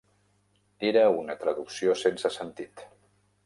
Era una traducció sense sentit.